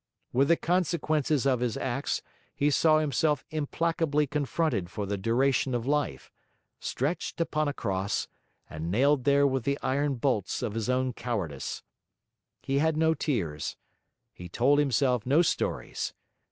With the consequences of his acts he saw himself implacably confronted for the duration of life: stretched upon a cross, and nailed there with the iron bolts of his own cowardice. He had no tears; he told himself no stories.